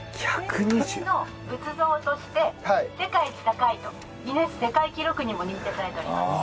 青銅製の仏像として世界一高いとギネス世界記録にも認定されております。